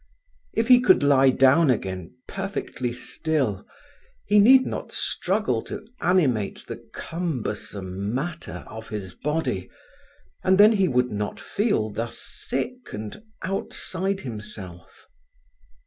If he could lie down again perfectly still he need not struggle to animate the cumbersome matter of his body, and then he would not feel thus sick and outside himself.